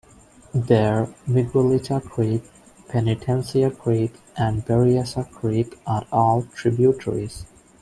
There, Miguelita Creek, Penitencia Creek, and Berryessa Creek are all tributaries.